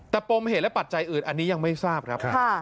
แต่ปมเหตุและปัจจัยอื่นอันนี้ยังไม่ทราบครับ